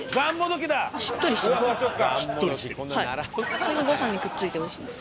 普通にご飯にくっついて美味しいんです。